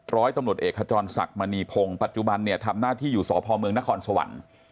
ร้อยตำรวจเอกขจรศักดิ์มณีพงศ์ปัจจุบันเนี่ยทำหน้าที่อยู่สพเมืองนครสวรรค์